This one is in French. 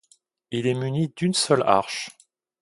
Il est muni d'une seule arche.